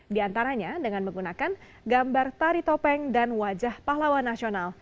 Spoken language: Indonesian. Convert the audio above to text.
di antaranya dengan menggunakan gambar tari topeng dan wajah pahlawan nasional